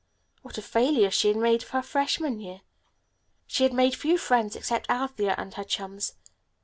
What a failure she had made of her freshman year? She had made few friends except Althea and her chums.